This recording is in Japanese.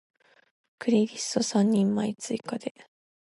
クリリソ三人前追加で